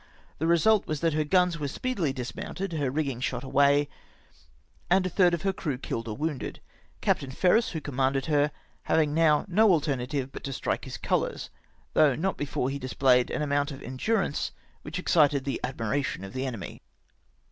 The result was that her guns were speedily dismounted, her rigging shot away, and a third of her crew killed or wounded ; Captain Ferris, who com manded her, having now no alternative but to strike his colours — though not before he had displayed an amount of endurance which excited the admkation of the enemy.